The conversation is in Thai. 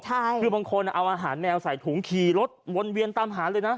คือบางคนเอาอาหารแมวใส่ถุงขี่รถวนเวียนตามหาเลยนะ